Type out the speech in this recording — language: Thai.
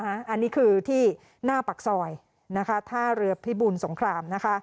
อันนี้คือที่หน้าปากซอยท่าเรือพิบูลสงคราม